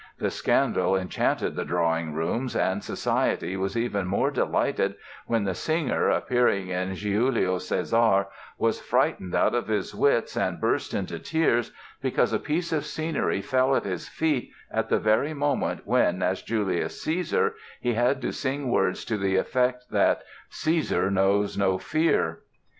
The scandal enchanted the drawing rooms and Society was even more delighted when the singer, appearing in "Giulio Cesare" was frightened out of his wits and burst into tears because a piece of scenery fell at his feet at the very moment when, as Julius Caesar, he had to sing words to the effect that "Caesar knows no fear!"